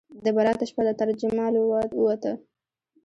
د برات شپه ده ترجمال ووته